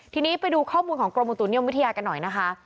ทีนี้ไปดูข้อมูลของกรมอุตุนิยมวิทยากันหน่อยนะคะ